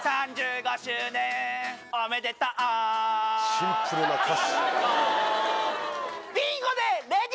シンプルな歌詞。